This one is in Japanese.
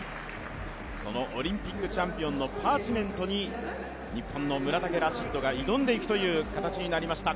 そのオリンピックチャンピオンのパーチメントに日本の村竹ラシッドが挑んでいく形になりました。